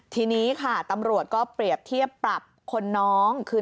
ทีนี้ค่ะตำรวจก็เปรียบเทียบปรับคนน้องคือ